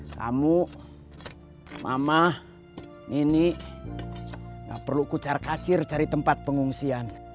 kamu mama nini gak perlu kucar kacir cari tempat pengungsian